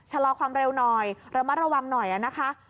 ชะลอความเร็วหน่อยระมัดระวังหน่อยนะคะ